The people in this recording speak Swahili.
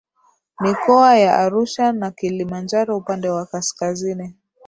Mikoa ya Arusha na Kilimanjaro Upande wa kaskazini